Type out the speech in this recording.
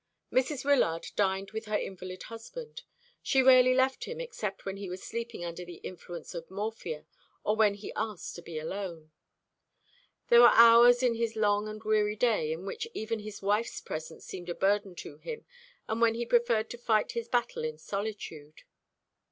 Mrs. Wyllard dined with her invalid husband. She rarely left him except when he was sleeping under the influence of morphia, or when he asked to be alone. There were hours in his long and weary day in which even his wife's presence seemed a burden to him, and when he preferred to fight his battle in solitude.